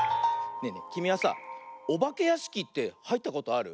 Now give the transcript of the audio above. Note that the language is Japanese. ねえねえきみはさあおばけやしきってはいったことある？